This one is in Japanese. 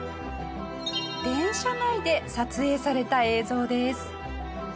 電車内で撮影された映像です。